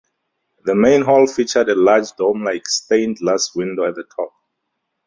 The main hall featured a large dome-like stained glass window at the top.